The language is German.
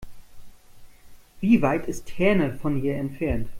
Wie weit ist Herne von hier entfernt?